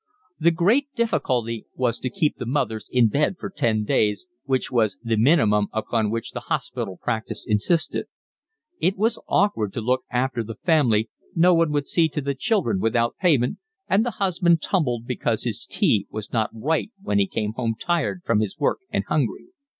The great difficulty was to keep the mothers in bed for ten days, which was the minimum upon which the hospital practice insisted. It was awkward to look after the family, no one would see to the children without payment, and the husband tumbled because his tea was not right when he came home tired from his work and hungry.